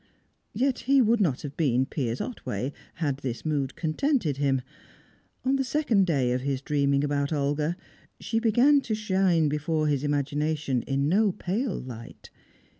Yet he would not have been Piers Otway had this mood contented him. On the second day of his dreaming about Olga, she began to shine before his imagination in no pale light.